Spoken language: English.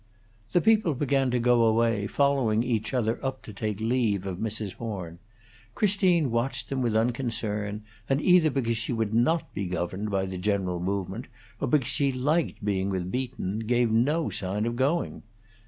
The people began to go away, following each other up to take leave of Mrs. Horn. Christine watched them with unconcern, and either because she would not be governed by the general movement, or because she liked being with Beaton, gave no sign of going.